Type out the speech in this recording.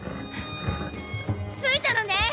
着いたのね！